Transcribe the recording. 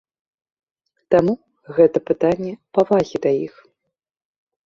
Таму гэта пытанне павагі да іх.